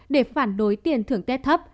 để phản đối tiền thưởng tết thấp